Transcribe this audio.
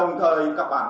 nếu đến tháng một mươi hai